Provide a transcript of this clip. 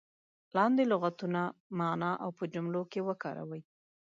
لاندې لغتونه معنا او په جملو کې وکاروئ.